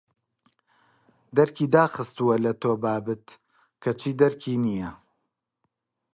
دەرکی داخستووە لە تۆ بابت کەچی دەرکی نییە